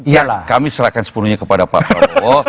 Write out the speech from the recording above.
ya kami serahkan sepenuhnya kepada pak prabowo